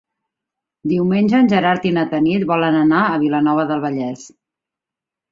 Diumenge en Gerard i na Tanit volen anar a Vilanova del Vallès.